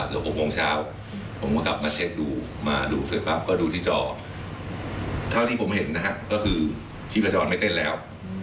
เพราะถอดอุปกรณ์เร็ว